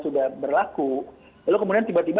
sudah berlaku lalu kemudian tiba tiba